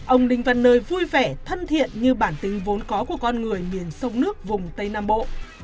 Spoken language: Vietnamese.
ông đinh văn nơi vui vẻ thân thiện như bản tính vốn có của con người miền sông nước vùng tây nam bộ